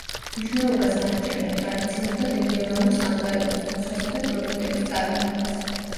მნიშვნელობას ანიჭებენ, ტრადიციულ და რეგიონალურ სამზარეულოს დაცვასა და პროდუქტების წარმოებას.